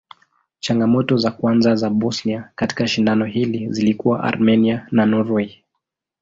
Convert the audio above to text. Changamoto za kwanza za Bosnia katika shindano hili zilikuwa Armenia na Norway.